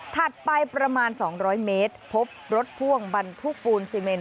ไปประมาณ๒๐๐เมตรพบรถพ่วงบรรทุกปูนซีเมน